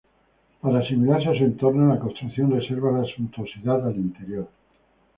Para asimilarse a su entorno, la construcción reserva la suntuosidad al interior.